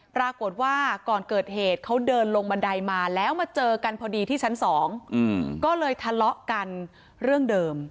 ปรากฏว่าก่อนเกิดเหตุเขาเดินลงบันไดมาแล้วมาเจอกันพอดีที่ชั้น๒ก็เลยทะเลาะกันเรื่องเดิม